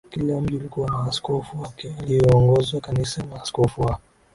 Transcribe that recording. Kila mji ulikuwa na askofu wake aliyeongoza kanisa Maaskofu wa